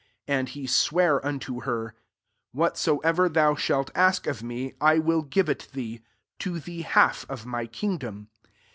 23 And he sware unto her, " Whatsoever thou shalt ask [of me,] I will give it thee, to the half of my kingdom."